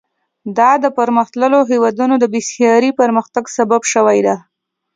دا د پرمختللو هېوادونو د بېساري پرمختګ سبب شوې ده.